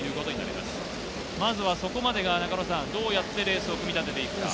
まずそこまでがどうやってレースを組み立てていくか。